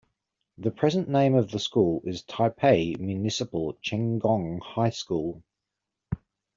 The present name of the school is Taipei Municipal Chenggong High School.